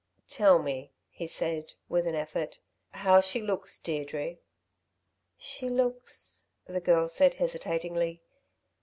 "Tell me," he said, with an effort, "how she looks, Deirdre." "She looks," the girl said hesitatingly.